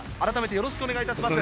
よろしくお願いします。